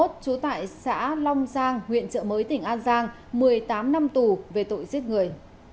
trú tại xã long giang huyện trợ mới tỉnh an giang một mươi tám năm tù về tội giết người